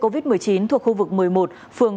covid một mươi chín thuộc khu vực một mươi một phường